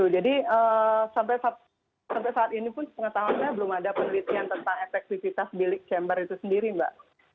jadi sampai saat ini pun pengetahuan saya belum ada penelitian tentang efektivitas bilik chamber itu sendiri mbak